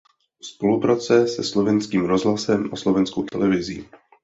Spolupracuje se Slovenským rozhlasem a Slovenskou televizí.